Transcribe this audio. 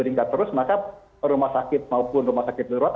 maupun rumah sakit darurat